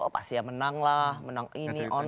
oh pasti ya menang lah menang ini